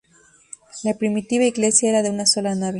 La primitiva Iglesia era de una sola nave.